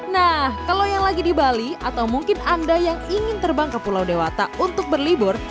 nah kalau yang lagi di bali atau mungkin anda yang ingin terbang ke pulau dewata untuk berlibur